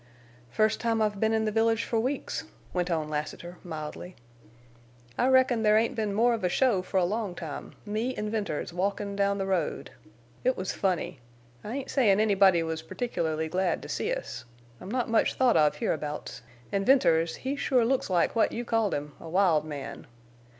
"First time I've been in the village for weeks," went on Lassiter, mildly. "I reckon there ain't been more of a show for a long time. Me an' Venters walkin' down the road! It was funny. I ain't sayin' anybody was particular glad to see us. I'm not much thought of hereabouts, an' Venters he sure looks like what you called him, a wild man.